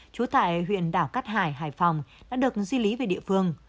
trú tại huyện đảo cát hải hải phòng đã được di lý về địa phương